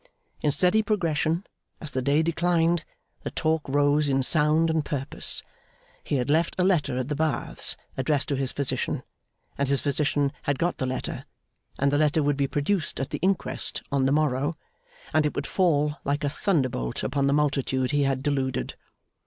In steady progression, as the day declined, the talk rose in sound and purpose. He had left a letter at the Baths addressed to his physician, and his physician had got the letter, and the letter would be produced at the Inquest on the morrow, and it would fall like a thunderbolt upon the multitude he had deluded.